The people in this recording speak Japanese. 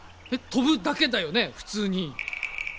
飛ぶだけだよね普通に。